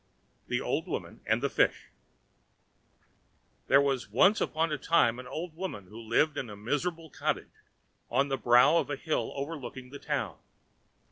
The Old Woman and the Fish There was once upon a time an old woman who lived in a miserable cottage on the brow of a hill overlooking the town.